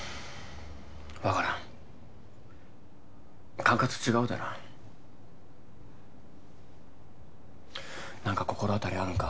分からん管轄違うでな何か心当たりあるんか？